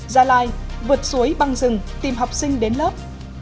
gia lai vượt suối băng rừng tìm học sinh đến lớp